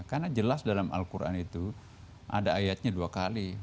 karena jelas dalam al quran itu ada ayatnya dua kali